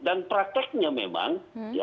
dan prakteknya memang